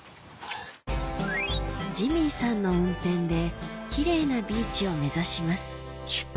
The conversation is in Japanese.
ジミーさんの運転で奇麗なビーチを目指します